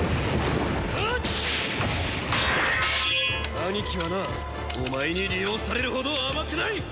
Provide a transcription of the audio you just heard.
兄貴はなお前に利用されるほど甘くない！